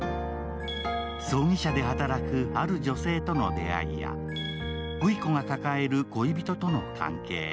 葬儀社で働く、ある女性との出会いや羽衣子が抱える恋人との関係。